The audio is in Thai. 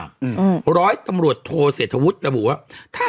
หรือร้อยตำรวจโทเศตฑุษระบุว่า